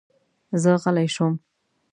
زه غلی شوم.